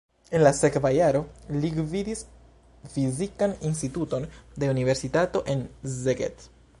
En la sekva jaro li gvidis fizikan instituton de universitato en Szeged.